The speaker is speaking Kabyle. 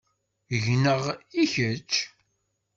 Gneɣ, i kečč?